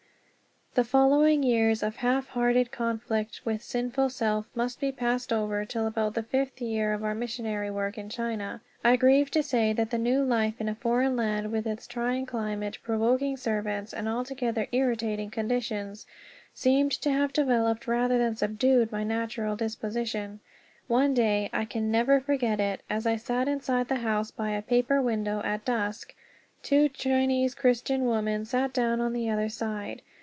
The following years of half hearted conflict with sinful self must be passed over till about the fifth year of our missionary work in China. I grieve to say that the new life in a foreign land with its trying climate, provoking servants, and altogether irritating conditions, seemed to have developed rather than subdued my natural disposition. One day (I can never forget it), as I sat inside the house by a paper window at dusk, two Chinese Christian women sat down on the other side.